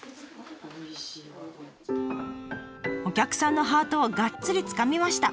お客さんのハートをがっつりつかみました。